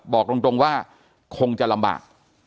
บอกตรงว่าคงจะลำบาก